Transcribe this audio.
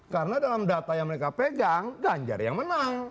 karena dalam data yang mereka pegang ganjar yang menang